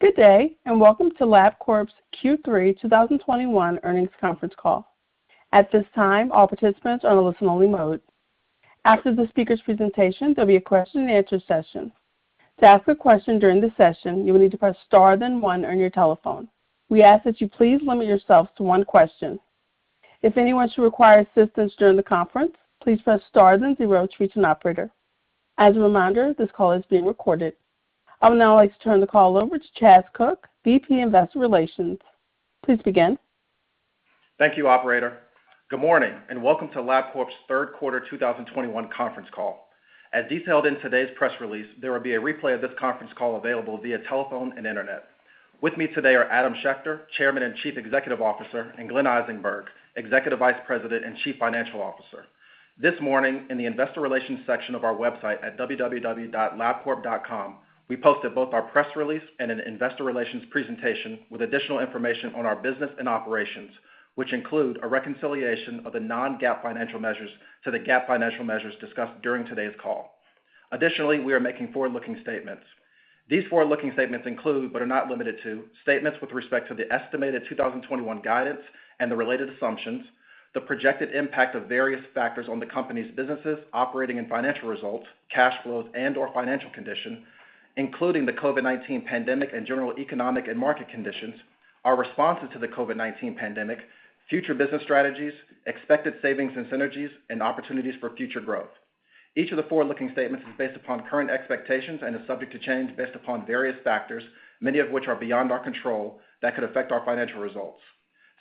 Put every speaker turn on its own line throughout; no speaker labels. Good day, and welcome to Labcorp's Q3 2021 Earnings Conference Call. At this time, all participants are in a listen-only mode. After the speakers' presentation, there'll be a question-and-answer session. To ask a question during the session, you will need to press star then one on your telephone. We ask that you please limit yourselves to one question. If anyone should require assistance during the conference, please press star then zero to reach an operator. As a reminder, this call is being recorded. I would now like to turn the call over to Chas Cook, VP Investor Relations. Please begin.
Thank you, operator. Good morning, and welcome to Labcorp's third quarter 2021 conference call. As detailed in today's press release, there will be a replay of this conference call available via telephone and internet. With me today are Adam Schechter, Chairman and Chief Executive Officer, and Glenn Eisenberg, Executive Vice President and Chief Financial Officer. This morning, in the Investor Relations section of our website at www.labcorp.com, we posted both our press release and an investor relations presentation with additional information on our business and operations, which include a reconciliation of the non-GAAP financial measures to the GAAP financial measures discussed during today's call. Additionally, we are making forward-looking statements. These forward-looking statements include, but are not limited to, statements with respect to the estimated 2021 guidance and the related assumptions, the projected impact of various factors on the company's businesses, operating and financial results, cash flows and/or financial condition, including the COVID-19 pandemic and general economic and market conditions, our responses to the COVID-19 pandemic, future business strategies, expected savings and synergies, and opportunities for future growth. Each of the forward-looking statements is based upon current expectations and is subject to change based upon various factors, many of which are beyond our control, that could affect our financial results.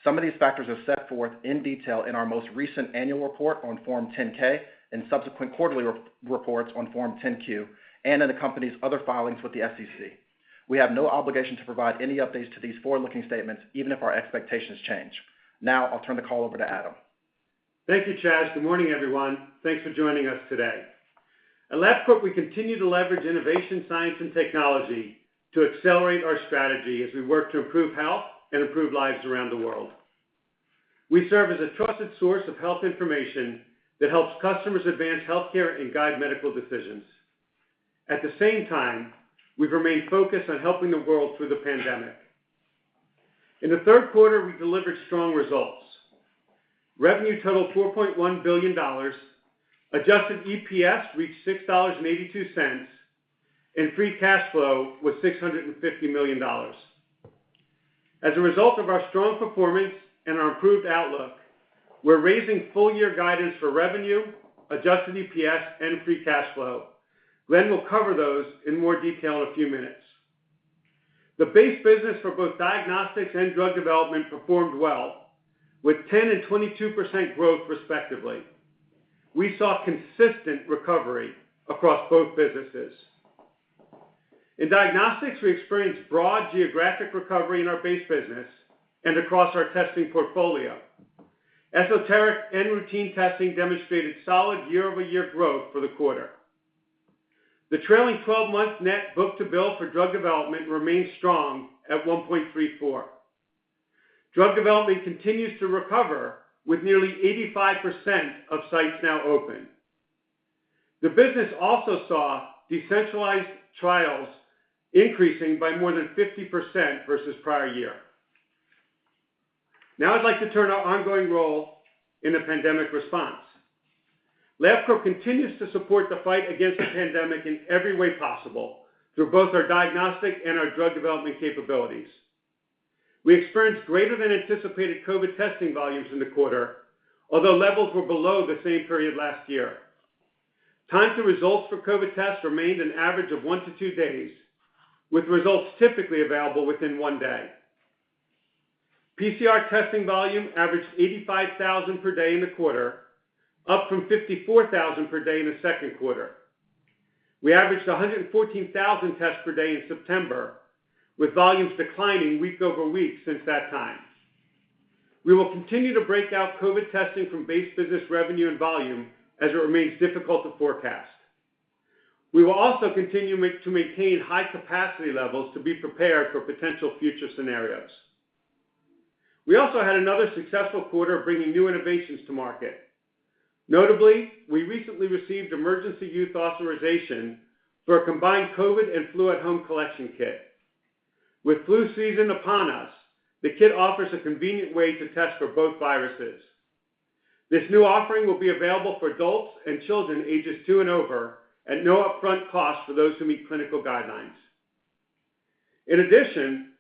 Some of these factors are set forth in detail in our most recent annual report on Form 10-K and subsequent quarterly reports on Form 10-Q and in the company's other filings with the SEC. We have no obligation to provide any updates to these forward-looking statements even if our expectations change. Now, I'll turn the call over to Adam.
Thank you, Chas. Good morning, everyone. Thanks for joining us today. At Labcorp, we continue to leverage innovation, science, and technology to accelerate our strategy as we work to improve health and improve lives around the world. We serve as a trusted source of health information that helps customers advance healthcare and guide medical decisions. At the same time, we've remained focused on helping the world through the pandemic. In the third quarter, we delivered strong results. Revenue totaled $4.1 billion, adjusted EPS reached $6.82, and free cash flow was $650 million. As a result of our strong performance and our improved outlook, we're raising full-year guidance for revenue, adjusted EPS and free cash flow. Glenn will cover those in more detail in a few minutes. The base business for both diagnostics and drug development performed well with 10% and 22% growth respectively. We saw consistent recovery across both businesses. In diagnostics, we experienced broad geographic recovery in our base business and across our testing portfolio. Esoteric and routine testing demonstrated solid year-over-year growth for the quarter. The trailing 12-month net book-to-bill for drug development remains strong at 1.34. Drug development continues to recover with nearly 85% of sites now open. The business also saw decentralized trials increasing by more than 50% versus prior year. Now I'd like to turn to our ongoing role in the pandemic response. Labcorp continues to support the fight against the pandemic in every way possible through both our diagnostic and our drug development capabilities. We experienced greater-than-anticipated COVID testing volumes in the quarter, although levels were below the same period last year. Time to results for COVID tests remained an average of 1-2 days, with results typically available within one day. PCR testing volume averaged 85,000 per day in the quarter, up from 54,000 per day in the second quarter. We averaged 114,000 tests per day in September, with volumes declining week-over-week since that time. We will continue to break out COVID testing from base business revenue and volume as it remains difficult to forecast. We will also continue to maintain high capacity levels to be prepared for potential future scenarios. We also had another successful quarter of bringing new innovations to market. Notably, we recently received Emergency Use Authorization for a combined COVID and flu at-home collection kit. With flu season upon us, the kit offers a convenient way to test for both viruses. This new offering will be available for adults and children ages two and over at no upfront cost for those who meet clinical guidelines. In addition,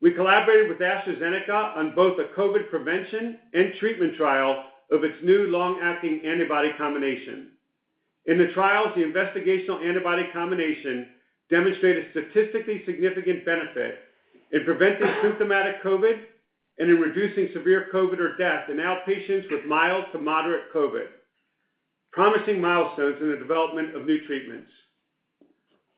we collaborated with AstraZeneca on both a COVID prevention and treatment trial of its new long-acting antibody combination. In the trials, the investigational antibody combination demonstrated statistically significant benefit in preventing symptomatic COVID and in reducing severe COVID or death in outpatients with mild to moderate COVID, promising milestones in the development of new treatments.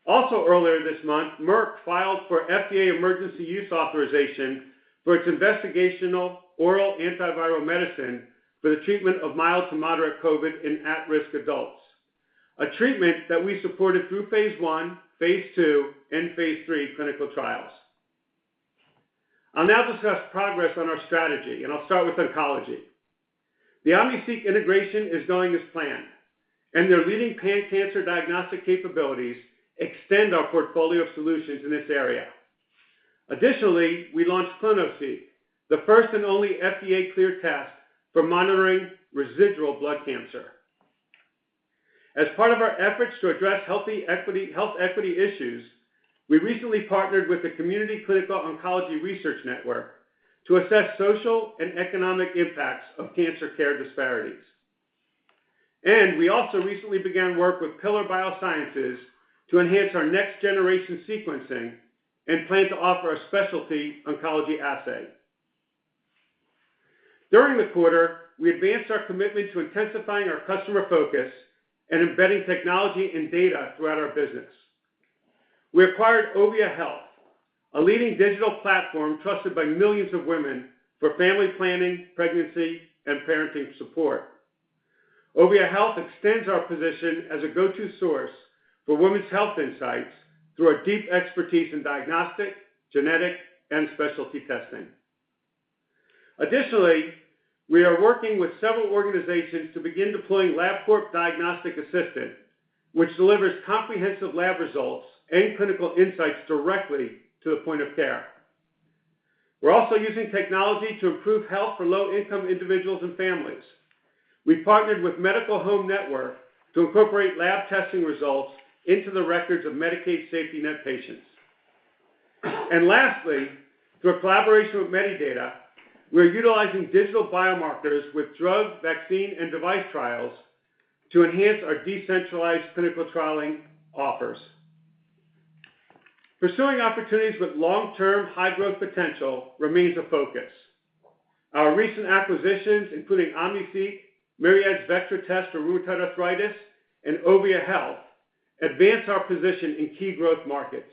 Earlier this month, Merck filed for FDA Emergency Use Authorization for its investigational oral antiviral medicine for the treatment of mild to moderate COVID-19 in at-risk adults, a treatment that we supported through phase I, phase II, and phase III clinical trials. I'll now discuss progress on our strategy, and I'll start with oncology. The OmniSeq integration is going as planned, and their leading pan-cancer diagnostic capabilities extend our portfolio of solutions in this area. Additionally, we launched clonoSEQ, the first and only FDA-cleared test for monitoring residual blood cancer. As part of our efforts to address health equity issues, we recently partnered with the Community Clinical Oncology Research Network to assess social and economic impacts of cancer care disparities. We also recently began work with Pillar Biosciences to enhance our next-generation sequencing and plan to offer a specialty oncology assay. During the quarter, we advanced our commitment to intensifying our customer focus and embedding technology and data throughout our business. We acquired Ovia Health, a leading digital platform trusted by millions of women for family planning, pregnancy, and parenting support. Ovia Health extends our position as a go-to source for women's health insights through our deep expertise in diagnostic, genetic, and specialty testing. Additionally, we are working with several organizations to begin deploying Labcorp Diagnostic Assistant, which delivers comprehensive lab results and clinical insights directly to the point of care. We're also using technology to improve health for low-income individuals and families. We partnered with Medical Home Network to incorporate lab testing results into the records of Medicaid safety net patients. Lastly, through a collaboration with Medidata, we're utilizing digital biomarkers with drug, vaccine, and device trials to enhance our decentralized clinical trialing offers. Pursuing opportunities with long-term, high-growth potential remains a focus. Our recent acquisitions, including OmniSeq, Myriad's Vectra test for rheumatoid arthritis, and Ovia Health, advance our position in key growth markets.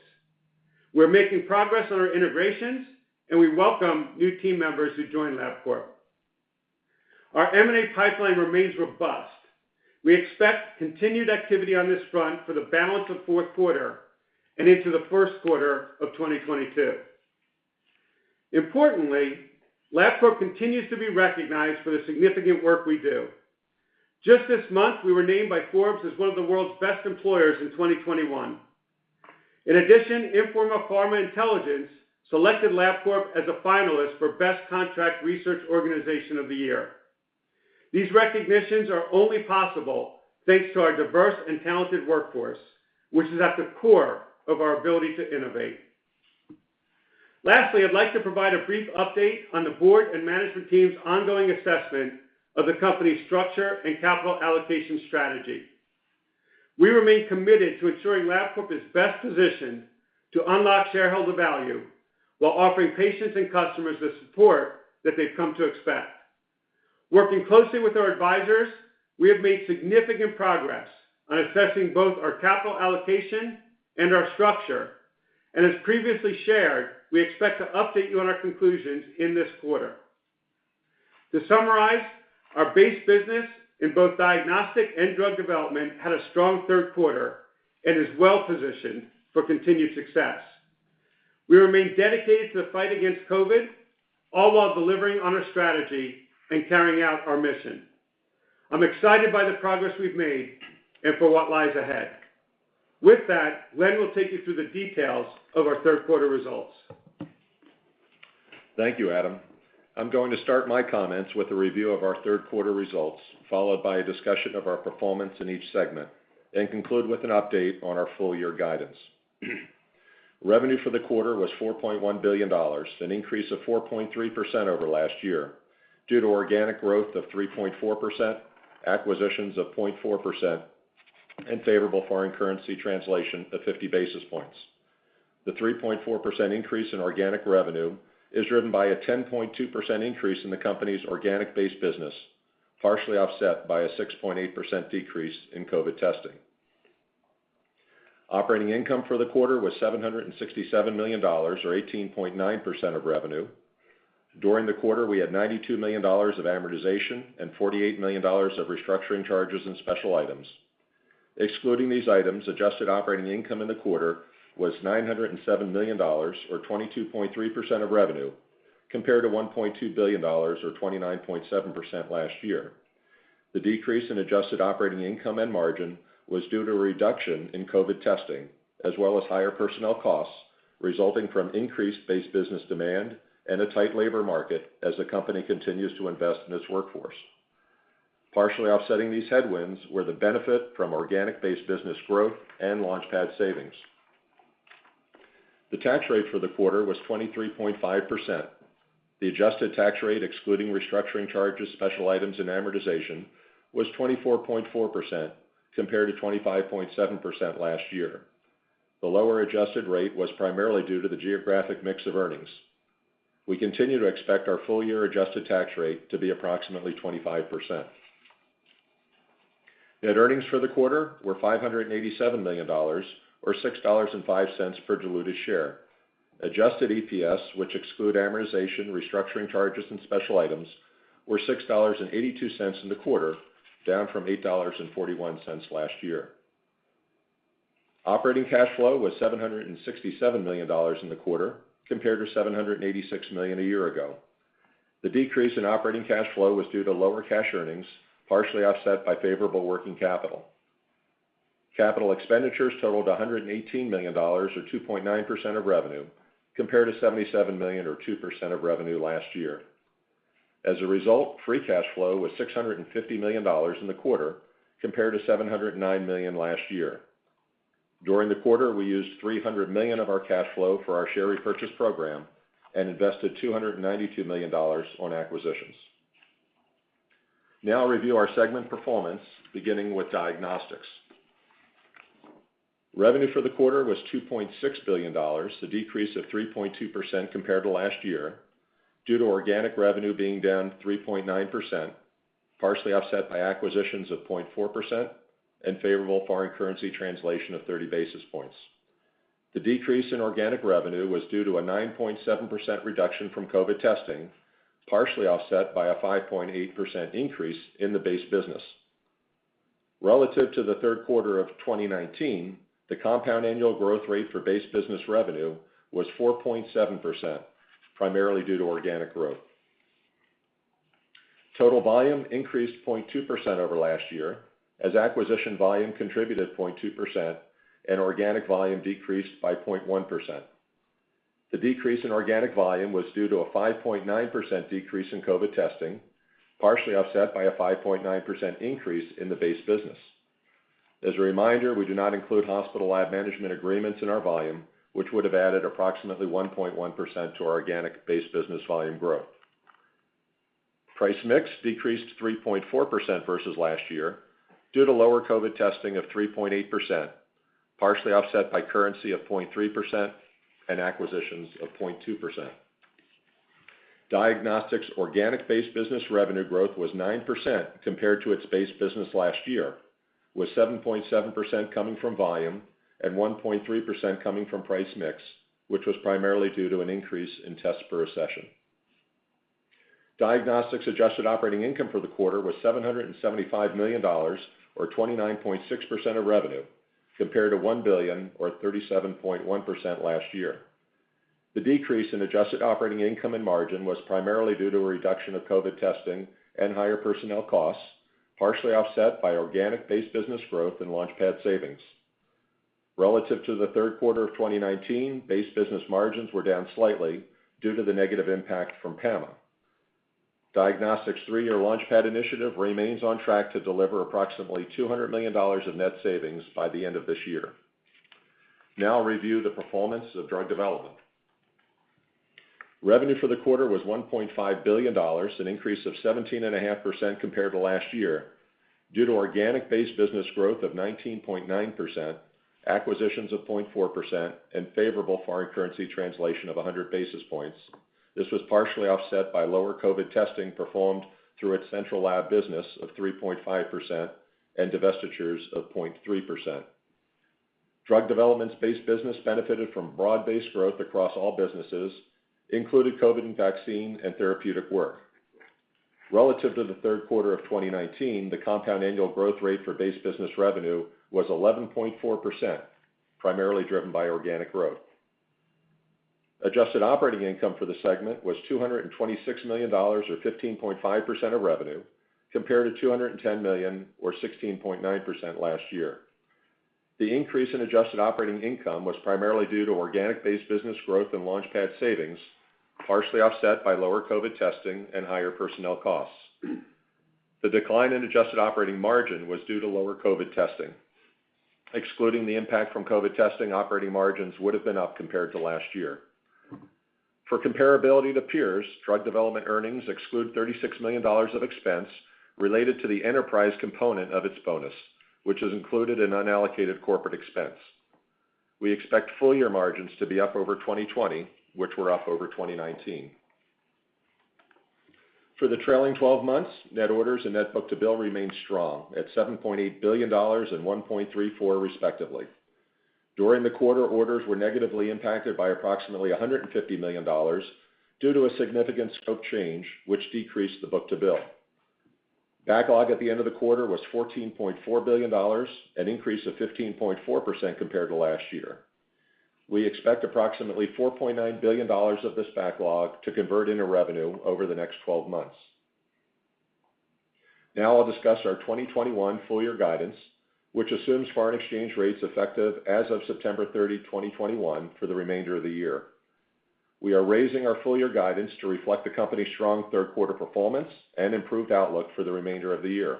We're making progress on our integrations, and we welcome new team members who join Labcorp. Our M&A pipeline remains robust. We expect continued activity on this front for the balance of fourth quarter and into the first quarter of 2022. Importantly, Labcorp continues to be recognized for the significant work we do. Just this month, we were named by Forbes as one of the world's best employers in 2021. In addition, Informa Pharma Intelligence selected Labcorp as a finalist for Best Contract Research Organization of the Year. These recognitions are only possible thanks to our diverse and talented workforce, which is at the core of our ability to innovate. Lastly, I'd like to provide a brief update on the board and management team's ongoing assessment of the company's structure and capital allocation strategy. We remain committed to ensuring Labcorp is best positioned to unlock shareholder value while offering patients and customers the support that they've come to expect. Working closely with our advisors, we have made significant progress on assessing both our capital allocation and our structure. As previously shared, we expect to update you on our conclusions in this quarter. To summarize, our base business in both diagnostic and drug development had a strong third quarter and is well-positioned for continued success. We remain dedicated to the fight against COVID, all while delivering on our strategy and carrying out our mission. I'm excited by the progress we've made and for what lies ahead. With that, Glenn will take you through the details of our third-quarter results.
Thank you, Adam. I'm going to start my comments with a review of our third quarter results, followed by a discussion of our performance in each segment, and conclude with an update on our full year guidance. Revenue for the quarter was $4.1 billion, an increase of 4.3% over last year due to organic growth of 3.4%, acquisitions of 0.4%, and favorable foreign currency translation of 50 basis points. The 3.4% increase in organic revenue is driven by a 10.2% increase in the company's organic base business, partially offset by a 6.8% decrease in COVID testing. Operating income for the quarter was $767 million, or 18.9% of revenue. During the quarter, we had $92 million of amortization and $48 million of restructuring charges and special items. Excluding these items, adjusted operating income in the quarter was $907 million, or 22.3% of revenue, compared to $1.2 billion, or 29.7% last year. The decrease in adjusted operating income and margin was due to a reduction in COVID testing, as well as higher personnel costs resulting from increased base business demand and a tight labor market as the company continues to invest in its workforce. Partially offsetting these headwinds were the benefit from organic base business growth and LaunchPad savings. The tax rate for the quarter was 23.5%. The adjusted tax rate, excluding restructuring charges, special items, and amortization, was 24.4%, compared to 25.7% last year. The lower adjusted rate was primarily due to the geographic mix of earnings. We continue to expect our full-year adjusted tax rate to be approximately 25%. Net earnings for the quarter were $587 million, or $6.05 per diluted share. Adjusted EPS, which exclude amortization, restructuring charges, and special items, were $6.82 in the quarter, down from $8.41 last year. Operating cash flow was $767 million in the quarter compared to $786 million a year ago. The decrease in operating cash flow was due to lower cash earnings, partially offset by favorable working capital. Capital expenditures totaled $118 million or 2.9% of revenue compared to $77 million or 2% of revenue last year. As a result, free cash flow was $650 million in the quarter compared to $709 million last year. During the quarter, we used $300 million of our cash flow for our share repurchase program and invested $292 million on acquisitions. Now I'll review our segment performance, beginning with Diagnostics. Revenue for the quarter was $2.6 billion, a decrease of 3.2% compared to last year due to organic revenue being down 3.9%, partially offset by acquisitions of 0.4% and favorable foreign currency translation of 30 basis points. The decrease in organic revenue was due to a 9.7% reduction from COVID-19 testing, partially offset by a 5.8% increase in the base business. Relative to the third quarter of 2019, the compound annual growth rate for base business revenue was 4.7%, primarily due to organic growth. Total volume increased 0.2% over last year as acquisition volume contributed 0.2% and organic volume decreased by 0.1%. The decrease in organic volume was due to a 5.9% decrease in COVID testing, partially offset by a 5.9% increase in the base business. As a reminder, we do not include hospital lab management agreements in our volume, which would have added approximately 1.1% to our organic base business volume growth. Price mix decreased 3.4% versus last year due to lower COVID testing of 3.8%, partially offset by currency of 0.3% and acquisitions of 0.2%. Diagnostics organic base business revenue growth was 9% compared to its base business last year, with 7.7% coming from volume and 1.3% coming from price mix, which was primarily due to an increase in tests per session. Diagnostics adjusted operating income for the quarter was $775 million or 29.6% of revenue compared to $1 billion or 37.1% last year. The decrease in adjusted operating income and margin was primarily due to a reduction of COVID testing and higher personnel costs, partially offset by organic base business growth and LaunchPad savings. Relative to the third quarter of 2019, base business margins were down slightly due to the negative impact from PAMA. Diagnostics' three-year LaunchPad initiative remains on track to deliver approximately $200 million of net savings by the end of this year. Now I'll review the performance of Drug Development. Revenue for the quarter was $1.5 billion, an increase of 17.5% compared to last year due to organic base business growth of 19.9%, acquisitions of 0.4%, and favorable foreign currency translation of 100 basis points. This was partially offset by lower COVID testing performed through its central lab business of 3.5% and divestitures of 0.3%. Drug Development's base business benefited from broad-based growth across all businesses, including COVID and vaccine and therapeutic work. Relative to the third quarter of 2019, the compound annual growth rate for base business revenue was 11.4%, primarily driven by organic growth. Adjusted operating income for the segment was $226 million or 15.5% of revenue compared to $210 million or 16.9% last year. The increase in adjusted operating income was primarily due to organic base business growth and LaunchPad savings, partially offset by lower COVID testing and higher personnel costs. The decline in adjusted operating margin was due to lower COVID testing. Excluding the impact from COVID testing, operating margins would have been up compared to last year. For comparability to peers, drug development earnings exclude $36 million of expense related to the enterprise component of its bonus, which is included in unallocated corporate expense. We expect full-year margins to be up over 2020, which were up over 2019. For the trailing twelve months, net orders and net book-to-bill remained strong at $7.8 billion and 1.34 respectively. During the quarter, orders were negatively impacted by approximately $150 million due to a significant scope change which decreased the book-to-bill. Backlog at the end of the quarter was $14.4 billion, an increase of 15.4% compared to last year. We expect approximately $4.9 billion of this backlog to convert into revenue over the next twelve months. Now I'll discuss our 2021 full year guidance, which assumes foreign exchange rates effective as of September 30, 2021, for the remainder of the year. We are raising our full year guidance to reflect the company's strong third quarter performance and improved outlook for the remainder of the year.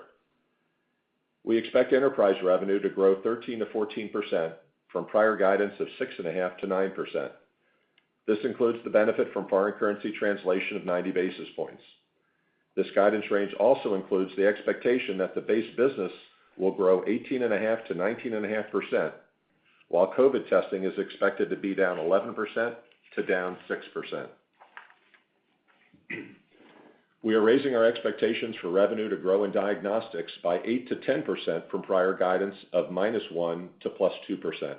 We expect enterprise revenue to grow 13%-14% from prior guidance of 6.5%-9%. This includes the benefit from foreign currency translation of 90 basis points. This guidance range also includes the expectation that the base business will grow 18.5%-19.5%, while COVID testing is expected to be down 11% to down 6%. We are raising our expectations for revenue to grow in diagnostics by 8%-10% from prior guidance of -1% to +2%.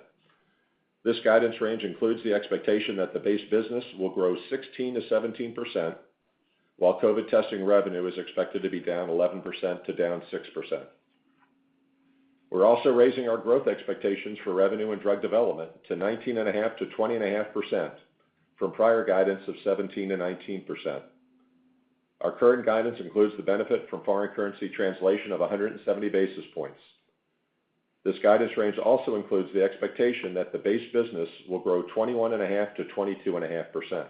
This guidance range includes the expectation that the base business will grow 16%-17%, while COVID testing revenue is expected to be down 11% to down 6%. We're also raising our growth expectations for revenue and drug development to 19.5%-20.5% from prior guidance of 17%-19%. Our current guidance includes the benefit from foreign currency translation of 170 basis points. This guidance range also includes the expectation that the base business will grow 21.5%-22.5%.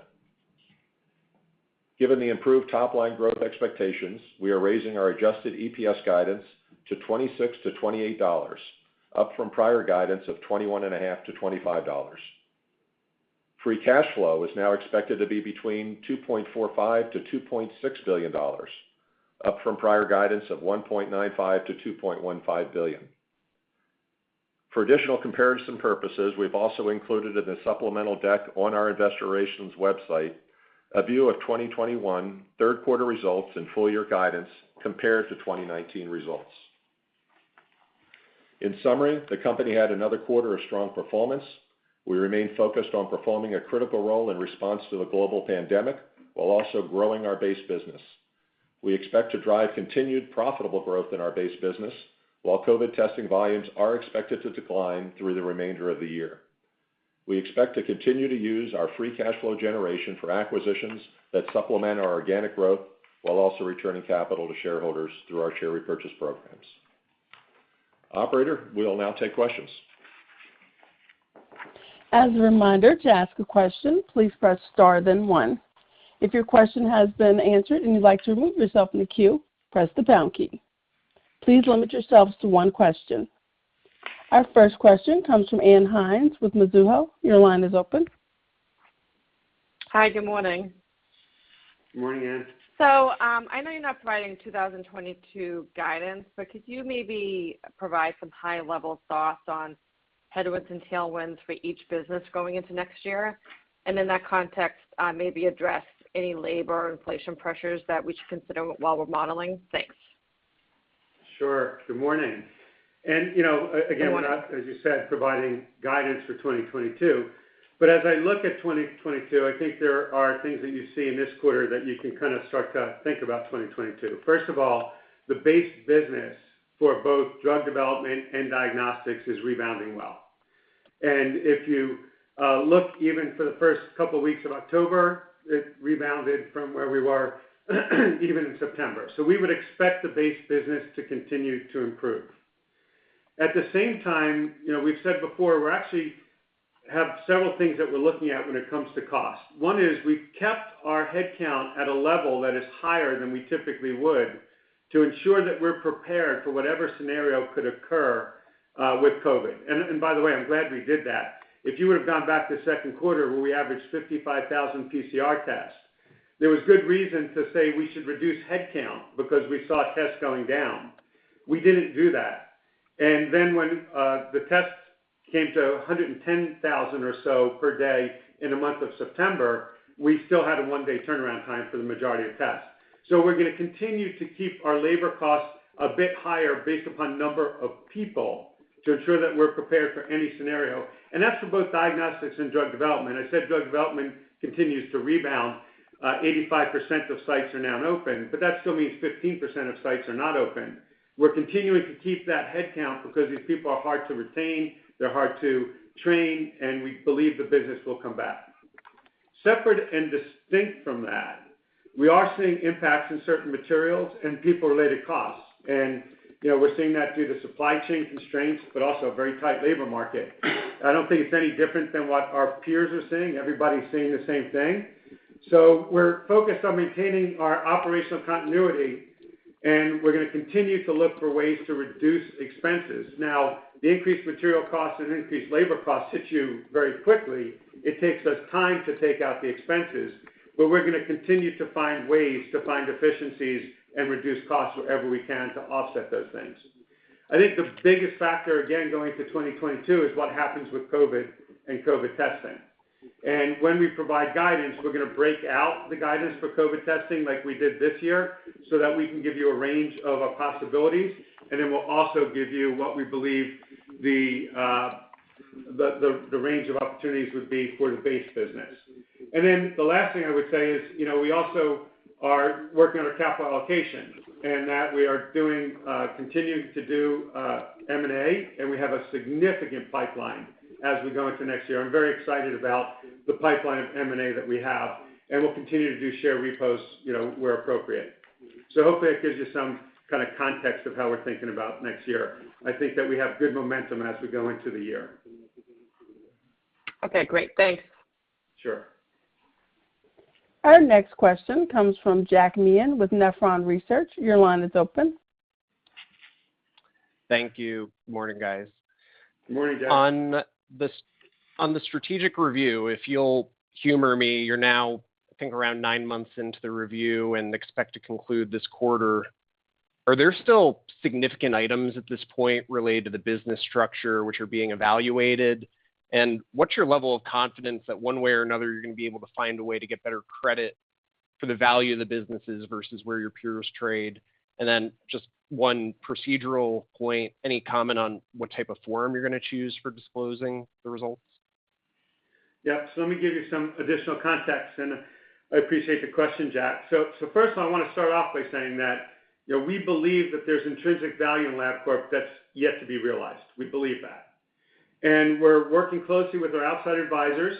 Given the improved top-line growth expectations, we are raising our adjusted EPS guidance to $26-$28, up from prior guidance of $21.5-$25. Free cash flow is now expected to be between $2.45 billion-$2.6 billion, up from prior guidance of $1.95 billion-$2.15 billion. For additional comparison purposes, we've also included in the supplemental deck on our investor relations website a view of 2021 third quarter results and full year guidance compared to 2019 results. In summary, the company had another quarter of strong performance. We remain focused on performing a critical role in response to the global pandemic while also growing our base business. We expect to drive continued profitable growth in our base business while COVID testing volumes are expected to decline through the remainder of the year. We expect to continue to use our free cash flow generation for acquisitions that supplement our organic growth while also returning capital to shareholders through our share repurchase programs. Operator, we'll now take questions.
As a reminder, to ask a question, please press star then one. If your question has been answered and you'd like to remove yourself from the queue, press the pound key. Please limit yourselves to one question. Our first question comes from Ann Hynes with Mizuho. Your line is open.
Hi. Good morning.
Good morning, Ann.
I know you're not providing 2022 guidance, but could you maybe provide some high-level thoughts on headwinds and tailwinds for each business going into next year? In that context, maybe address any labor inflation pressures that we should consider while we're modeling? Thanks.
Sure. Good morning. You know, again, we're not, as you said, providing guidance for 2022, but as I look at 2022, I think there are things that you see in this quarter that you can kind of start to think about 2022. First of all, the base business for both drug development and diagnostics is rebounding well. If you look even for the first couple of weeks of October, it rebounded from where we were even in September. We would expect the base business to continue to improve. At the same time, you know, we've said before, we actually have several things that we're looking at when it comes to cost. One is we've kept our headcount at a level that is higher than we typically would to ensure that we're prepared for whatever scenario could occur with COVID. By the way, I'm glad we did that. If you would've gone back to second quarter where we averaged 55,000 PCR tests, there was good reason to say we should reduce headcount because we saw tests going down. We didn't do that. When the tests came to 110,000 or so per day in the month of September, we still had a one-day turnaround time for the majority of tests. We're gonna continue to keep our labor costs a bit higher based upon number of people to ensure that we're prepared for any scenario, and that's for both diagnostics and drug development. I said drug development continues to rebound. 85% of sites are now open, but that still means 15% of sites are not open. We're continuing to keep that headcount because these people are hard to retain, they're hard to train, and we believe the business will come back. Separate and distinct from that, we are seeing impacts in certain materials and people-related costs. You know, we're seeing that due to supply chain constraints, but also a very tight labor market. I don't think it's any different than what our peers are seeing. Everybody's seeing the same thing. We're focused on maintaining our operational continuity, and we're gonna continue to look for ways to reduce expenses. Now, the increased material costs and increased labor costs hit you very quickly. It takes us time to take out the expenses, but we're gonna continue to find ways to find efficiencies and reduce costs wherever we can to offset those things. I think the biggest factor again going into 2022 is what happens with COVID and COVID testing. When we provide guidance, we're gonna break out the guidance for COVID testing like we did this year, so that we can give you a range of possibilities, and then we'll also give you what we believe the range of opportunities would be for the base business. Then the last thing I would say is, you know, we also are working on our capital allocation, and we are continuing to do M&A, and we have a significant pipeline as we go into next year. I'm very excited about the pipeline of M&A that we have, and we'll continue to do share repurchases, you know, where appropriate. Hopefully, that gives you some kind of context of how we're thinking about next year. I think that we have good momentum as we go into the year.
Okay, great. Thanks.
Sure.
Our next question comes from Jack Meehan with Nephron Research. Your line is open.
Thank you. Morning, guys.
Morning, Jack.
On the strategic review, if you'll humor me, you're now I think around nine months into the review and expect to conclude this quarter. Are there still significant items at this point related to the business structure which are being evaluated? What's your level of confidence that one way or another you're gonna be able to find a way to get better credit? For the value of the businesses versus where your peers trade. Just one procedural point, any comment on what type of form you're gonna choose for disclosing the results?
Yeah. Let me give you some additional context, and I appreciate the question, Jack. First I wanna start off by saying that, you know, we believe that there's intrinsic value in Labcorp that's yet to be realized. We believe that. We're working closely with our outside advisors,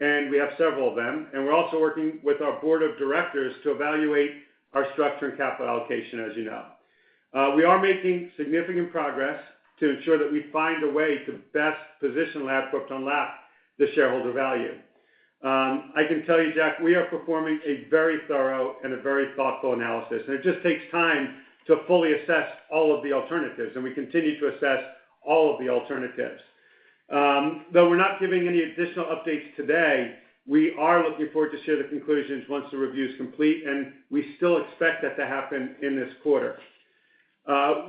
and we have several of them, and we're also working with our board of directors to evaluate our structure and capital allocation, as you know. We are making significant progress to ensure that we find a way to best position Labcorp to unlock the shareholder value. I can tell you, Jack, we are performing a very thorough and a very thoughtful analysis, and it just takes time to fully assess all of the alternatives, and we continue to assess all of the alternatives. Though we're not giving any additional updates today, we are looking forward to share the conclusions once the review's complete, and we still expect that to happen in this quarter. I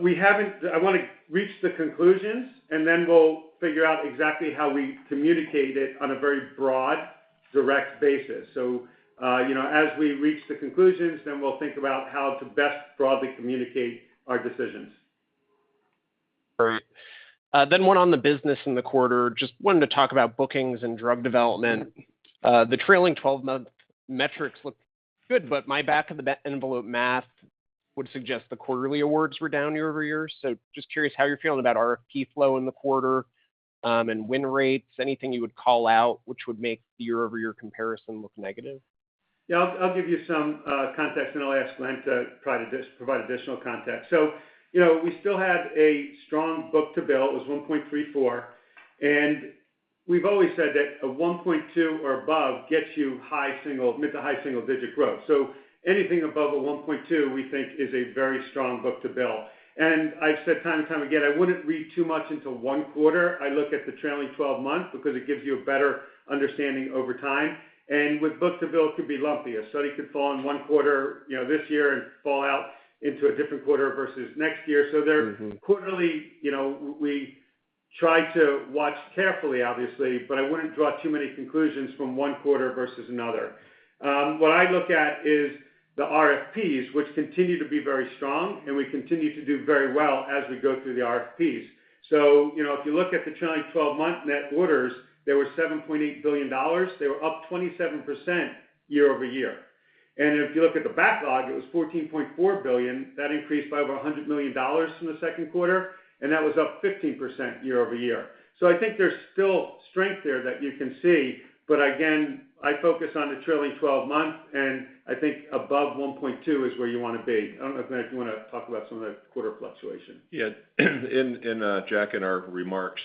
wanna reach the conclusions, and then we'll figure out exactly how we communicate it on a very broad, direct basis. You know, as we reach the conclusions, then we'll think about how to best broadly communicate our decisions.
Great. One on the business in the quarter, just wanted to talk about bookings and drug development. The trailing 12-month metrics look good, but my back-of-the-envelope math would suggest the quarterly awards were down year-over-year. Just curious how you're feeling about RFP flow in the quarter, and win rates. Anything you would call out which would make the year-over-year comparison look negative?
Yeah. I'll give you some context then I'll ask Glenn to try to just provide additional context. You know, we still had a strong book-to-bill. It was 1.34, and we've always said that a 1.2 or above gets you high single mid- to high-single-digit growth. Anything above a 1.2, we think is a very strong book-to-bill. I've said time and time again, I wouldn't read too much into one quarter. I look at the trailing twelve-month because it gives you a better understanding over time. With book-to-bill, it could be lumpier. It could fall in one quarter, you know, this year and fall out into a different quarter versus next year. There, quarterly, you know, we try to watch carefully obviously, but I wouldn't draw too many conclusions from one quarter versus another. What I look at is the RFPs, which continue to be very strong, and we continue to do very well as we go through the RFPs. You know, if you look at the trailing twelve-month net orders, they were $7.8 billion. They were up 27% year-over-year. And if you look at the backlog, it was $14.4 billion. That increased by over $100 million from the second quarter, and that was up 15% year-over-year. I think there's still strength there that you can see, but again, I focus on the trailing twelve-month, and I think above 1.2 is where you wanna be. I don't know, Glenn, if you wanna talk about some of the quarter fluctuation.
Jack, in our remarks,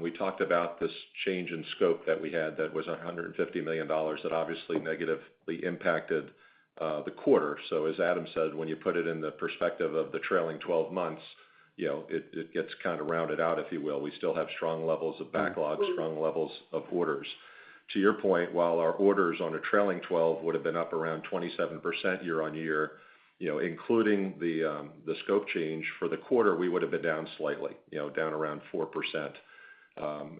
we talked about this change in scope that we had that was $150 million that obviously negatively impacted the quarter. As Adam said, when you put it in the perspective of the trailing twelve months, you know, it gets kind of rounded out, if you will. We still have strong levels of backlogs, strong levels of orders. To your point, while our orders on a trailing twelve would have been up around 27% year-on-year, you know, including the scope change for the quarter, we would've been down slightly, you know, down around 4%.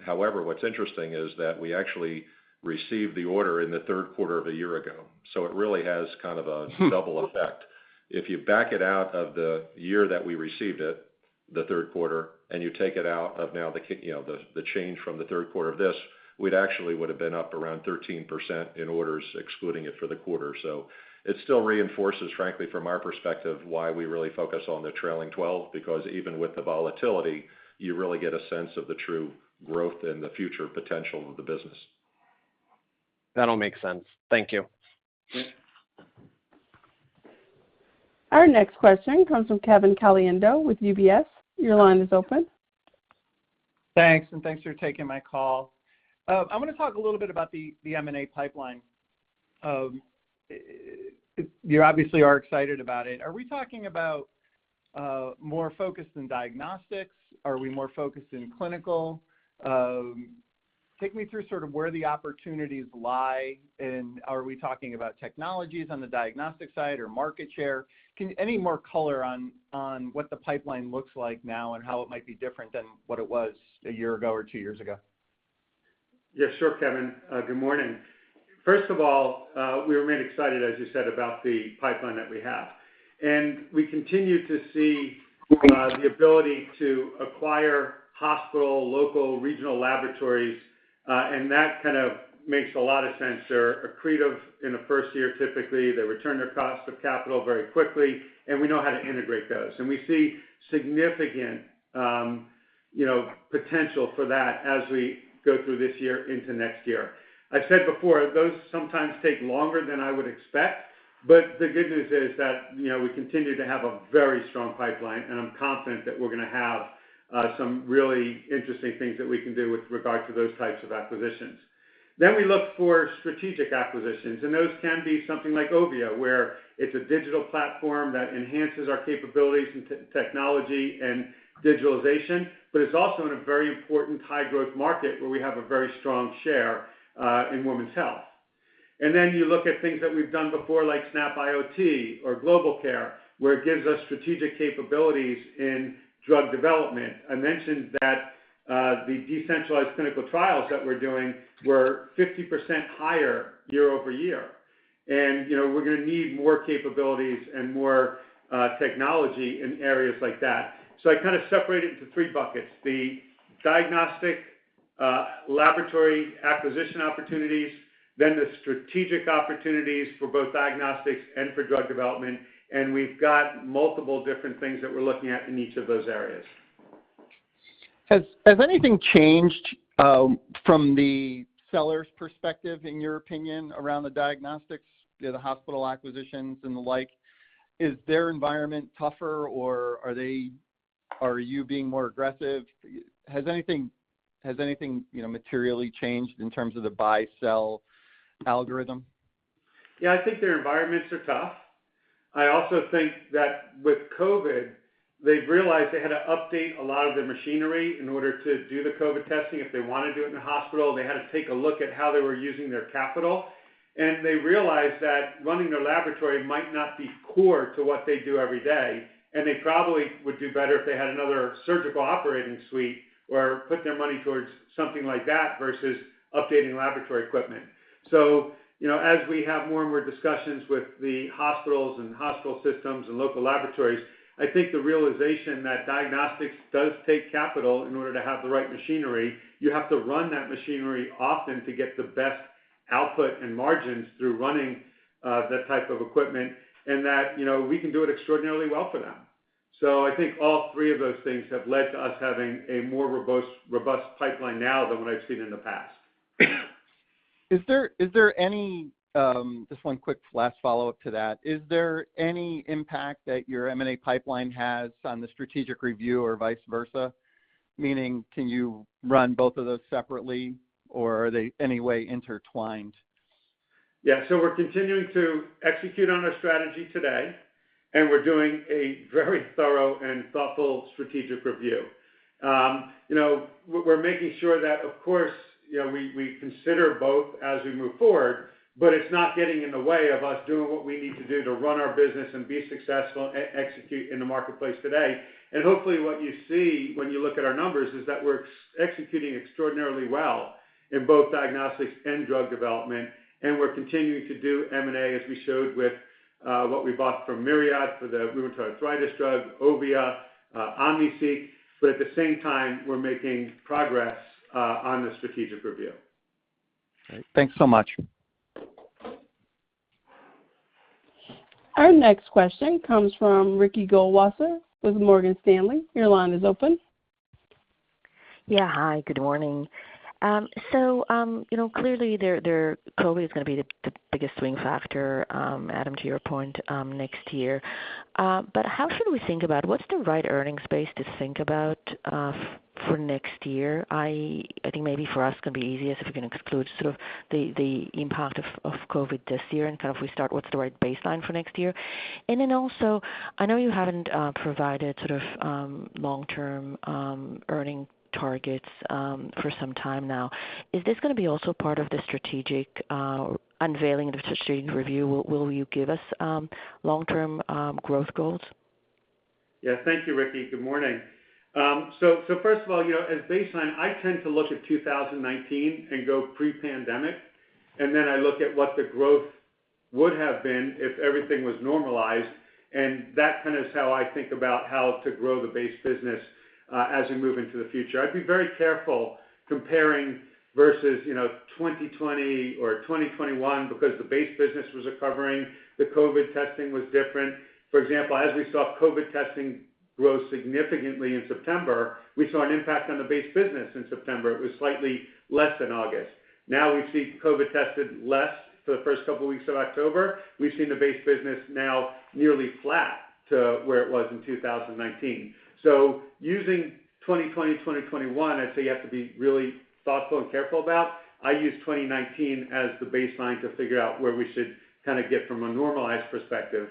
However, what's interesting is that we actually received the order in the third quarter of a year ago, so it really has kind of a double effect. If you back it out of the year that we received it, the third quarter, and you take it out of now, you know, the change from the third quarter of this, we'd actually have been up around 13% in orders excluding it for the quarter. It still reinforces, frankly, from our perspective, why we really focus on the trailing twelve, because even with the volatility, you really get a sense of the true growth and the future potential of the business.
That all makes sense. Thank you.
Great.
Our next question comes from Kevin Caliendo with UBS. Your line is open.
Thanks, and thanks for taking my call. I wanna talk a little bit about the M&A pipeline. You obviously are excited about it. Are we talking about more focus in diagnostics? Are we more focused in clinical? Take me through sort of where the opportunities lie, and are we talking about technologies on the diagnostic side or market share? Can any more color on what the pipeline looks like now and how it might be different than what it was a year ago or two years ago?
Yeah, sure, Kevin. Good morning. First of all, we're really excited, as you said, about the pipeline that we have. We continue to see the ability to acquire hospital, local, regional laboratories, and that kind of makes a lot of sense. They're accretive in the first year, typically. They return their cost of capital very quickly, and we know how to integrate those. We see significant, you know, potential for that as we go through this year into next year. I've said before, those sometimes take longer than I would expect, but the good news is that, you know, we continue to have a very strong pipeline, and I'm confident that we're gonna have some really interesting things that we can do with regard to those types of acquisitions. We look for strategic acquisitions, and those can be something like Ovia, where it's a digital platform that enhances our capabilities in technology and digitalization, but it's also in a very important high-growth market where we have a very strong share in women's health. You look at things that we've done before, like snapIoT or GlobalCare, where it gives us strategic capabilities in drug development. I mentioned that the decentralized clinical trials that we're doing were 50% higher year-over-year. You know, we're gonna need more capabilities and more technology in areas like that. I kind of separate it into three buckets, the diagnostic laboratory acquisition opportunities, then the strategic opportunities for both diagnostics and for drug development. We've got multiple different things that we're looking at in each of those areas.
Has anything changed from the seller's perspective, in your opinion, around the diagnostics, you know, the hospital acquisitions and the like? Is their environment tougher, or are you being more aggressive? Has anything, you know, materially changed in terms of the buy-sell algorithm?
Yeah, I think their environments are tough. I also think that with COVID, they've realized they had to update a lot of their machinery in order to do the COVID testing. If they wanna do it in a hospital, they had to take a look at how they were using their capital. They realized that running their laboratory might not be core to what they do every day. They probably would do better if they had another surgical operating suite or put their money towards something like that versus updating laboratory equipment. You know, as we have more and more discussions with the hospitals and hospital systems and local laboratories, I think the realization that diagnostics does take capital in order to have the right machinery, you have to run that machinery often to get the best output and margins through running that type of equipment, and that, you know, we can do it extraordinarily well for them. I think all three of those things have led to us having a more robust pipeline now than what I've seen in the past.
Just one quick last follow-up to that. Is there any impact that your M&A pipeline has on the strategic review or vice versa? Meaning, can you run both of those separately, or are they any way intertwined?
Yeah. We're continuing to execute on our strategy today, and we're doing a very thorough and thoughtful strategic review. You know, we're making sure that, of course, you know, we consider both as we move forward, but it's not getting in the way of us doing what we need to do to run our business and be successful, execute in the marketplace today. Hopefully, what you see when you look at our numbers is that we're executing extraordinarily well in both diagnostics and drug development, and we're continuing to do M&A, as we showed with what we bought from Myriad for the rheumatoid arthritis drug, Ovia, OmniSeq, but at the same time, we're making progress on the strategic review.
All right. Thanks so much.
Our next question comes from Ricky Goldwasser with Morgan Stanley. Your line is open.
Yeah. Hi, good morning. You know, clearly there, COVID is gonna be the biggest swing factor, Adam, to your point, next year. How should we think about what's the right earnings base to think about, for next year? I think maybe for us can be easier if you can exclude sort of the impact of COVID this year and kind of restart what's the right baseline for next year. I know you haven't provided sort of long-term earnings targets for some time now. Is this gonna be also part of the strategic unveiling of the strategic review? Will you give us long-term growth goals?
Yeah. Thank you, Ricky. Good morning. First of all, you know, as baseline, I tend to look at 2019 and go pre-pandemic, and then I look at what the growth would have been if everything was normalized, and that kind of is how I think about how to grow the base business as we move into the future. I'd be very careful comparing versus, you know, 2020 or 2021 because the base business was recovering. The COVID testing was different. For example, as we saw COVID testing grow significantly in September, we saw an impact on the base business in September. It was slightly less than August. Now we see COVID tested less for the first couple weeks of October. We've seen the base business now nearly flat to where it was in 2019. Using 2020, 2021, I'd say you have to be really thoughtful and careful about. I use 2019 as the baseline to figure out where we should kinda get from a normalized perspective,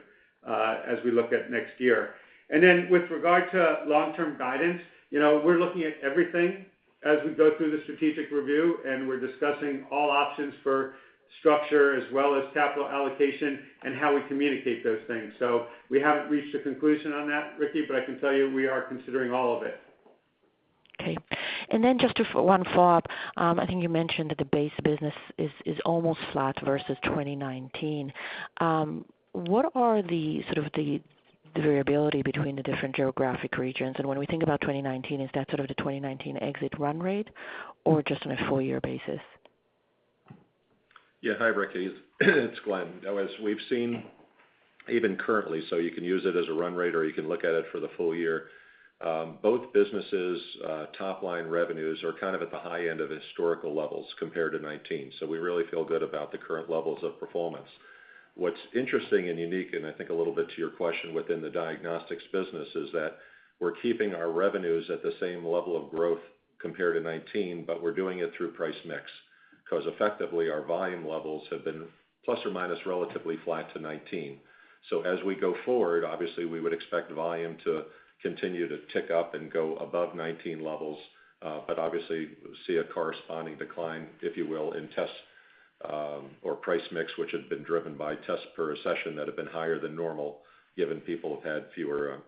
as we look at next year. With regard to long-term guidance, you know, we're looking at everything as we go through the strategic review, and we're discussing all options for structure as well as capital allocation and how we communicate those things. We haven't reached a conclusion on that, Ricky, but I can tell you we are considering all of it.
Okay. Then just one follow-up. I think you mentioned that the base business is almost flat versus 2019. What are the sort of variability between the different geographic regions? And when we think about 2019, is that sort of the 2019 exit run rate or just on a full year basis?
Yeah. Hi, Ricky. It's Glenn. As we've seen even currently, so you can use it as a run rate or you can look at it for the full year. Both businesses' top-line revenues are kind of at the high end of historical levels compared to 2019, so we really feel good about the current levels of performance. What's interesting and unique, and I think a little bit to your question within the diagnostics business, is that we're keeping our revenues at the same level of growth compared to 2019, but we're doing it through price mix. 'Cause effectively, our volume levels have been plus or minus relatively flat to 2019. As we go forward, obviously, we would expect volume to continue to tick up and go above 2019 levels, but obviously see a corresponding decline, if you will, in test Price mix, which had been driven by tests per session that have been higher than normal, given people have had fewer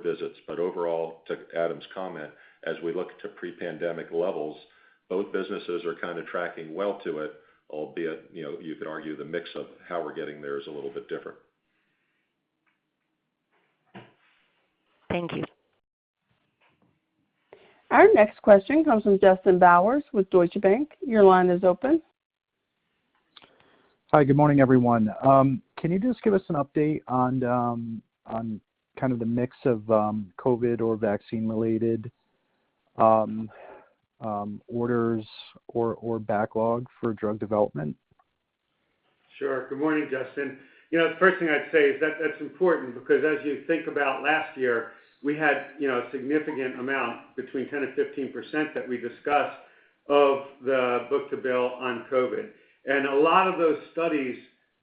visits. Overall, to Adam's comment, as we look to pre-pandemic levels, both businesses are kind of tracking well to it, albeit, you know, you could argue the mix of how we're getting there is a little bit different.
Thank you.
Our next question comes from Justin Bowers with Deutsche Bank. Your line is open.
Hi, good morning, everyone. Can you just give us an update on kind of the mix of COVID or vaccine-related orders or backlog for drug development?
Sure. Good morning, Justin. You know, the first thing I'd say is that that's important because as you think about last year, we had, you know, a significant amount between 10% and 15% that we discussed of the book-to-bill on COVID. A lot of those studies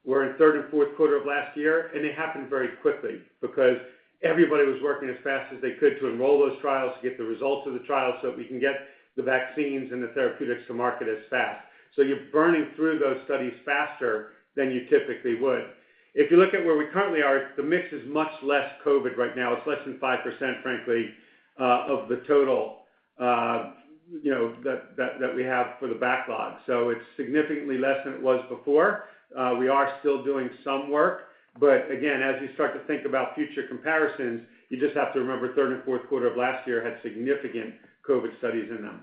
were in third and fourth quarter of last year, and they happened very quickly because everybody was working as fast as they could to enroll those trials, to get the results of the trial so we can get the vaccines and the therapeutics to market as fast. You're burning through those studies faster than you typically would. If you look at where we currently are, the mix is much less COVID right now. It's less than 5%, frankly, of the total, you know, that we have for the backlog. It's significantly less than it was before. We are still doing some work, but again, as you start to think about future comparisons, you just have to remember third and fourth quarter of last year had significant COVID studies in them.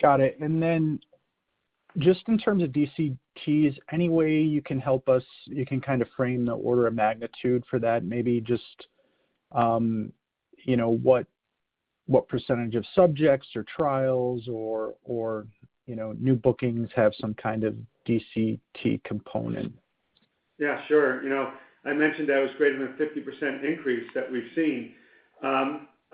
Got it. Just in terms of DCTs, any way you can help us, you can kind of frame the order of magnitude for that, maybe just, you know, what percentage of subjects or trials or, you know, new bookings have some kind of DCT component?
Yeah, sure. You know, I mentioned that was greater than 50% increase that we've seen.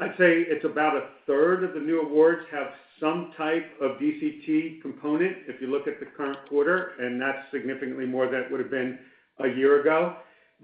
I'd say it's about a third of the new awards have some type of DCT component if you look at the current quarter, and that's significantly more than it would have been a year ago.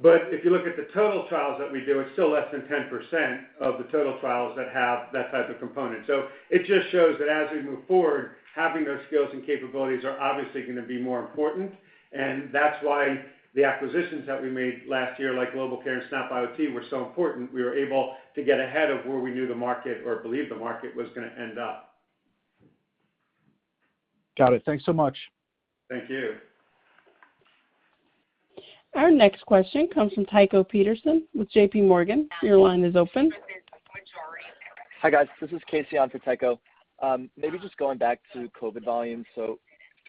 If you look at the total trials that we do, it's still less than 10% of the total trials that have that type of component. It just shows that as we move forward, having those skills and capabilities are obviously gonna be more important, and that's why the acquisitions that we made last year, like GlobalCare and snapIoT, were so important. We were able to get ahead of where we knew the market or believed the market was gonna end up.
Got it. Thanks so much.
Thank you.
Our next question comes from Tycho Peterson with JPMorgan. Your line is open.
Hi, guys. This is Casey on for Tycho. Maybe just going back to COVID volumes.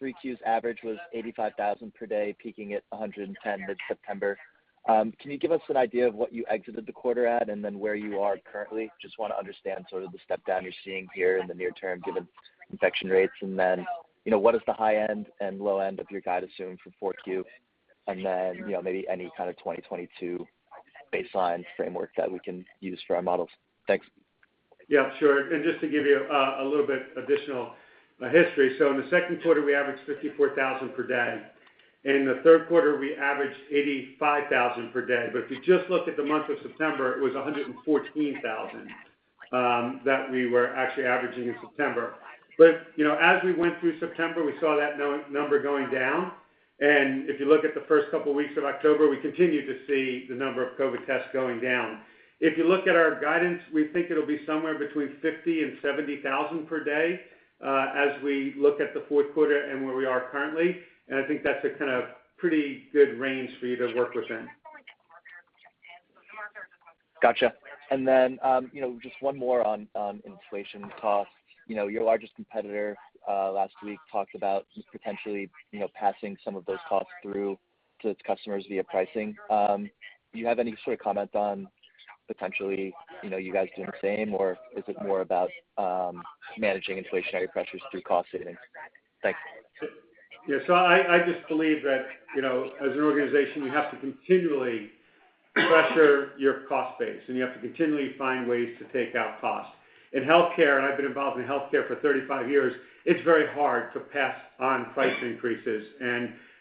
Q3's average was 85,000 per day, peaking at 110 mid-September. Can you give us an idea of what you exited the quarter at and then where you are currently? Just wanna understand sort of the step down you're seeing here in the near term, given infection rates, and then, you know, what is the high end and low end of your guidance range for Q4? You know, maybe any kind of 2022 baseline framework that we can use for our models. Thanks.
Yeah, sure. Just to give you a little bit additional history. In the second quarter, we averaged 54,000 per day. In the third quarter, we averaged 85,000 per day. If you just look at the month of September, it was 114,000 that we were actually averaging in September. You know, as we went through September, we saw that number going down, and if you look at the first couple of weeks of October, we continued to see the number of COVID tests going down. If you look at our guidance, we think it'll be somewhere between 50,000 and 70,000 per day as we look at the fourth quarter and where we are currently, and I think that's a kind of pretty good range for you to work within.
Gotcha. You know, just one more on inflation costs. You know, your largest competitor last week talked about potentially, you know, passing some of those costs through to its customers via pricing. Do you have any sort of comment on potentially, you know, you guys doing the same, or is it more about managing inflationary pressures through cost savings? Thanks.
Yeah. I just believe that, you know, as an organization, you have to continually pressure your cost base, and you have to continually find ways to take out costs. In healthcare, and I've been involved in healthcare for 35 years, it's very hard to pass on price increases.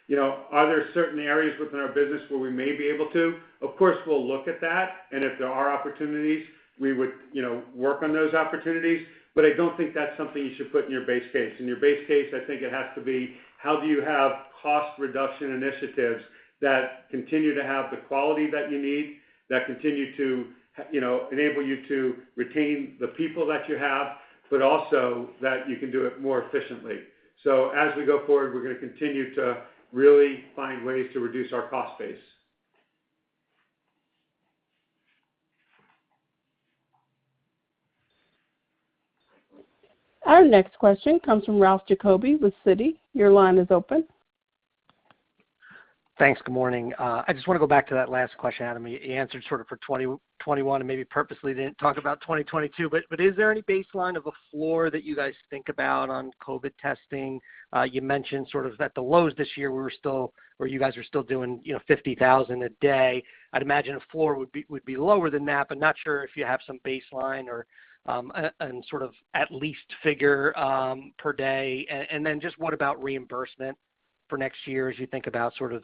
You know, are there certain areas within our business where we may be able to? Of course, we'll look at that, and if there are opportunities, we would, you know, work on those opportunities. I don't think that's something you should put in your base case. In your base case, I think it has to be, how do you have cost reduction initiatives that continue to have the quality that you need, that continue to, you know, enable you to retain the people that you have, but also that you can do it more efficiently. As we go forward, we're gonna continue to really find ways to reduce our cost base.
Our next question comes from Ralph Giacobbe with Citi. Your line is open.
Thanks. Good morning. I just wanna go back to that last question, Adam. You answered sort of for 2021 and maybe purposely didn't talk about 2022, but is there any baseline of a floor that you guys think about on COVID testing? You mentioned sort of at the lows this year, we were still or you guys are still doing, you know, 50,000 a day. I'd imagine a floor would be lower than that, but not sure if you have some baseline or and sort of at least figure per day. And then just what about reimbursement for next year as you think about sort of,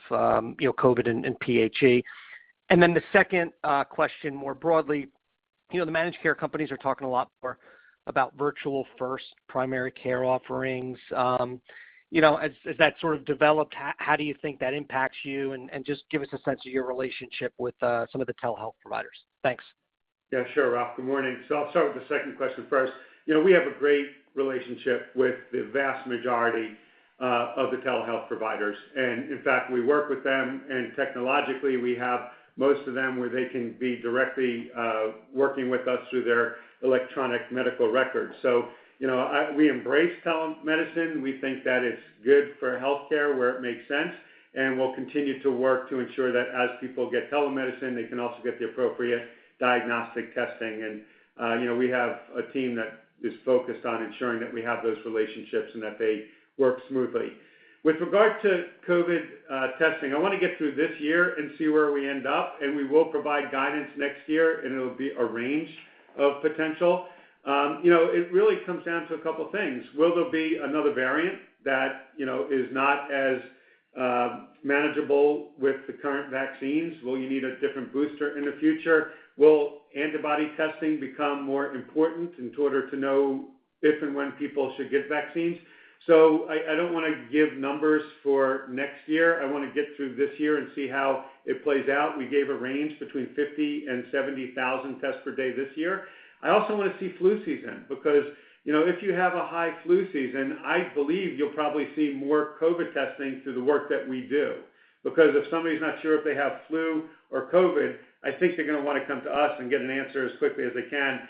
you know, COVID and PHE? And then the second question more broadly. You know, the managed care companies are talking a lot more about virtual first primary care offerings. You know, as that sort of developed, how do you think that impacts you and just give us a sense of your relationship with some of the telehealth providers? Thanks.
Yeah, sure, Ralph. Good morning. I'll start with the second question first. You know, we have a great relationship with the vast majority of the telehealth providers. In fact, we work with them, and technologically we have most of them where they can be directly working with us through their electronic medical records. You know, we embrace telemedicine. We think that it's good for healthcare where it makes sense, and we'll continue to work to ensure that as people get telemedicine, they can also get the appropriate diagnostic testing. You know, we have a team that is focused on ensuring that we have those relationships and that they work smoothly. With regard to COVID testing, I wanna get through this year and see where we end up, and we will provide guidance next year, and it'll be a range of potential. You know, it really comes down to a couple things. Will there be another variant that, you know, is not as manageable with the current vaccines? Will you need a different booster in the future? Will antibody testing become more important in order to know if and when people should get vaccines? I don't wanna give numbers for next year. I wanna get through this year and see how it plays out. We gave a range between 50,000-70,000 tests per day this year. I also wanna see flu season, because, you know, if you have a high flu season, I believe you'll probably see more COVID testing through the work that we do. If somebody's not sure if they have flu or COVID, I think they're gonna wanna come to us and get an answer as quickly as they can.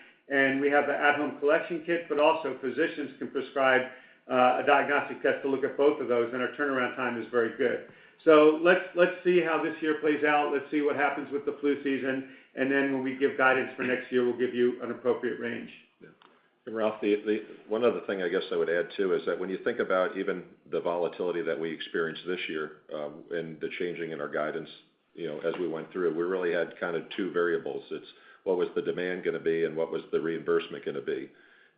We have the at-home collection kit, but also physicians can prescribe a diagnostic test to look at both of those, and our turnaround time is very good. Let's see how this year plays out. Let's see what happens with the flu season, and then when we give guidance for next year, we'll give you an appropriate range.
Ralph, one other thing I guess I would add, too, is that when you think about even the volatility that we experienced this year, and the changes in our guidance, you know, as we went through, we really had kinda two variables. It's what was the demand gonna be, and what was the reimbursement gonna be?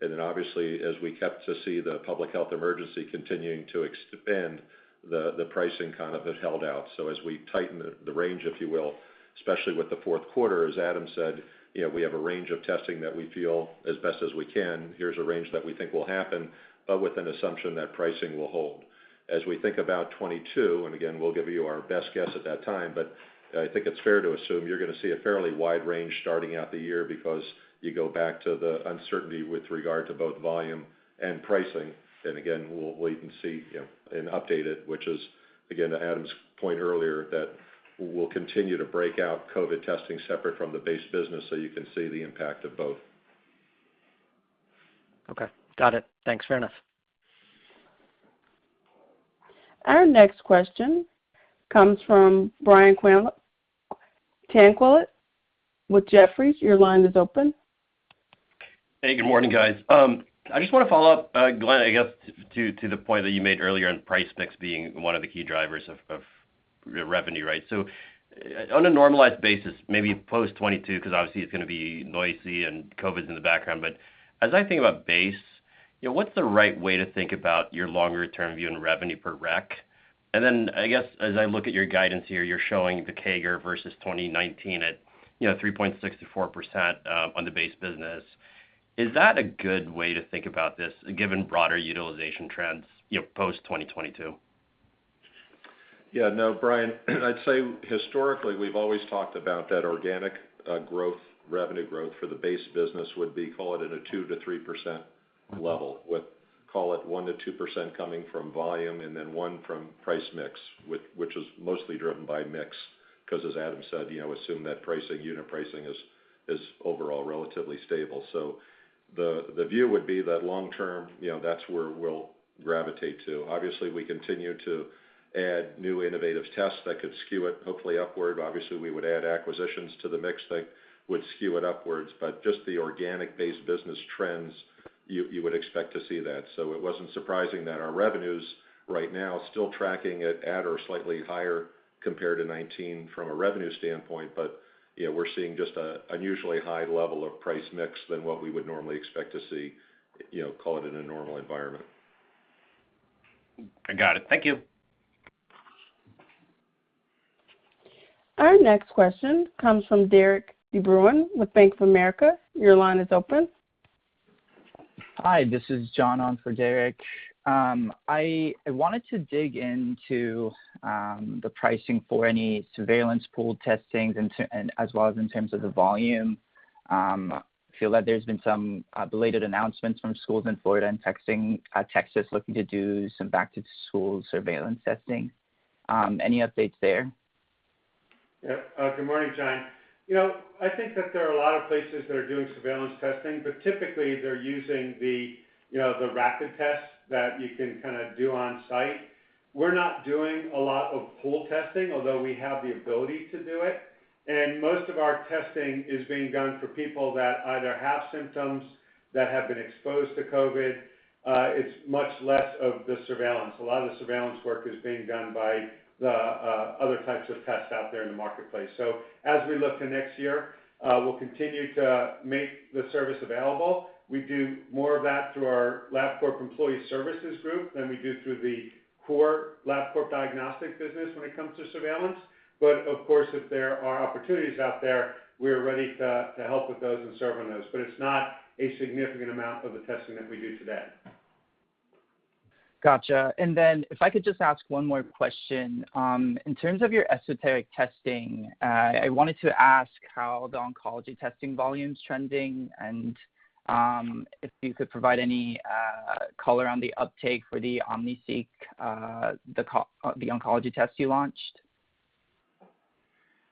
Then obviously, as we continued to see the public health emergency continuing to expand, the pricing kind of held out. As we tighten the range, if you will, especially with the fourth quarter, as Adam said, you know, we have a range of testing that we feel as best we can, here's a range that we think will happen, but with an assumption that pricing will hold. As we think about 2022, and again, we'll give you our best guess at that time, but I think it's fair to assume you're gonna see a fairly wide range starting out the year because you go back to the uncertainty with regard to both volume and pricing. We'll wait and see, you know, and update it, which is, again, to Adam's point earlier, that we'll continue to break out COVID testing separate from the base business, so you can see the impact of both.
Okay. Got it. Thanks. Fair enough.
Our next question comes from Brian Tanquilut with Jefferies. Your line is open.
Hey, good morning, guys. I just wanna follow up, Glenn, I guess to the point that you made earlier on price mix being one of the key drivers of revenue, right? So on a normalized basis, maybe post 2022, 'cause obviously it's gonna be noisy and COVID's in the background, but as I think about base, you know, what's the right way to think about your longer term view in revenue per rec? And then I guess, as I look at your guidance here, you're showing the CAGR versus 2019 at, you know, 3.6%-4% on the base business. Is that a good way to think about this given broader utilization trends, you know, post 2022?
Yeah. No, Brian, I'd say historically, we've always talked about that organic growth, revenue growth for the base business would be call it at a 2%-3% level, with call it 1%-2% coming from volume and then 1% from price mix, which is mostly driven by mix, 'cause as Adam said, you know, assume that pricing, unit pricing is overall relatively stable. The view would be that long-term, you know, that's where we'll gravitate to. Obviously, we continue to add new innovative tests that could skew it hopefully upward. Obviously, we would add acquisitions to the mix that would skew it upwards. Just the organic base business trends, you would expect to see that. It wasn't surprising that our revenues right now still tracking it at or slightly higher compared to 2019 from a revenue standpoint, but, you know, we're seeing just a unusually high level of price mix than what we would normally expect to see, you know, call it in a normal environment.
I got it. Thank you.
Our next question comes from Derik de Bruin with Bank of America. Your line is open.
Hi, this is John on for Derik. I wanted to dig into the pricing for any surveillance pool testing in Texas as well as in terms of the volume. I feel that there's been some belated announcements from schools in Florida and Texas looking to do some back-to-school surveillance testing. Any updates there?
Yeah. Good morning, John. You know, I think that there are a lot of places that are doing surveillance testing, but typically they're using the, you know, the rapid tests that you can kinda do on site. We're not doing a lot of pool testing, although we have the ability to do it. Most of our testing is being done for people that either have symptoms, that have been exposed to COVID. It's much less of the surveillance. A lot of the surveillance work is being done by the other types of tests out there in the marketplace. As we look to next year, we'll continue to make the service available. We do more of that through our Labcorp Employer Services group than we do through the core Labcorp diagnostic business when it comes to surveillance. Of course, if there are opportunities out there, we're ready to help with those and serve on those. It's not a significant amount of the testing that we do today.
Gotcha. If I could just ask one more question. In terms of your esoteric testing, I wanted to ask how the oncology testing volume's trending and, if you could provide any color on the uptake for the OmniSeq, the oncology test you launched.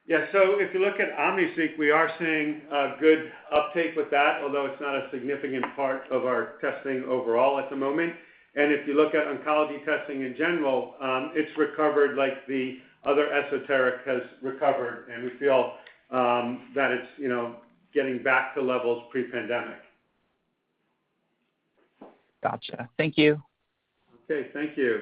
Yeah. If you look at OmniSeq, we are seeing a good uptake with that, although it's not a significant part of our testing overall at the moment. If you look at oncology testing in general, it's recovered like the other esoteric has recovered, and we feel that it's, you know, getting back to levels pre-pandemic.
Gotcha. Thank you.
Okay. Thank you.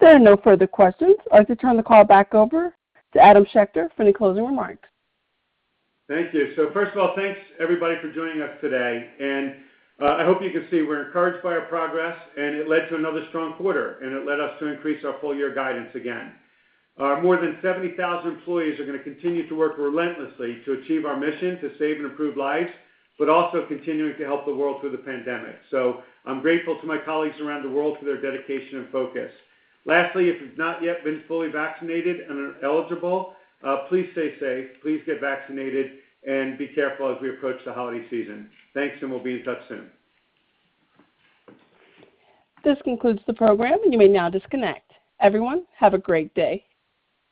There are no further questions. I'd like to turn the call back over to Adam Schechter for any closing remarks.
Thank you. First of all, thanks everybody for joining us today. I hope you can see we're encouraged by our progress, and it led to another strong quarter, and it led us to increase our full-year guidance again. Our more than 70,000 employees are gonna continue to work relentlessly to achieve our mission to save and improve lives, but also continuing to help the world through the pandemic. I'm grateful to my colleagues around the world for their dedication and focus. Lastly, if you've not yet been fully vaccinated and are eligible, please stay safe, please get vaccinated, and be careful as we approach the holiday season. Thanks, and we'll be in touch soon.
This concludes the program. You may now disconnect. Everyone, have a great day.